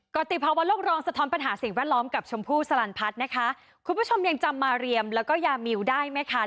กรติภาวะโลกรองสะท้อนปัญหาสิ่งแวดล้อมกับชมพู่สลันพัฒน์นะคะคุณผู้ชมยังจำมาเรียมแล้วก็ยามิวได้ไหมคะ